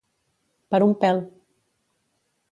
Per un pèl.